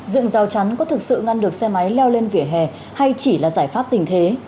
dựng rào chắn có thực sự ngăn được xe máy leo lên vỉa hè hay chỉ là giải pháp tình thế